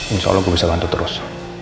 insya allah gue bisa bantu terus